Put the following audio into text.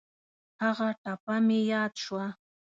هغه ټپه مې یاد شوه.